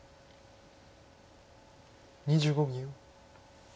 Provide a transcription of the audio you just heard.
２５秒。